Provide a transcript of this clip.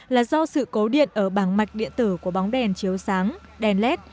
là do sự cố điện ở bảng mạch điện tử của bóng đèn chiếu sáng đèn led